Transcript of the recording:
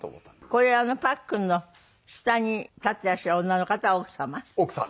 これパックンの下に立ってらっしゃる女の方は奥様？